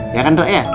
ya kan dok ya